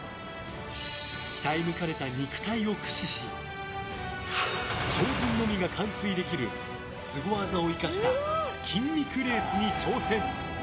鍛え抜かれた肉体を駆使し超人のみが完遂できるスゴ技を生かした筋肉レースに挑戦。